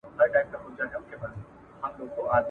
چي مي څو ځله د وران او د زاړه سړک پر غاړه ..